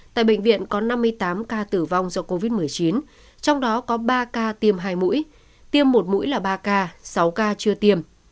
tại bệnh viện có năm mươi tám ca tử vong do covid một mươi chín trong đó có ba ca tiêm hai mũi tiêm một mũi là ba ca sáu ca chưa tiêm